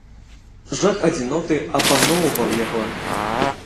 Жах адзіноты апаноўваў яго.